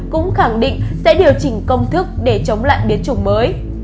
cũng khẳng định sẽ điều chỉnh công thức để chống lại biến chủng mới